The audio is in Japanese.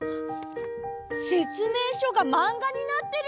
せつめいしょがまんがになってる！